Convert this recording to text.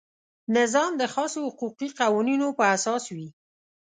نظام د خاصو حقوقي قوانینو په اساس وي.